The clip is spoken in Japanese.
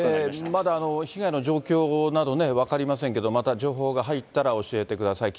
まだ被害の状況など分かりませんけど、また情報が入ったら、教えてください。